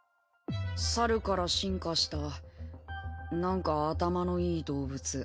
猿から進化したなんか頭のいい動物。